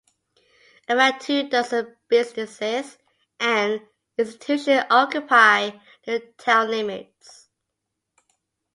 Around two-dozen businesses and institutions occupy the town limits.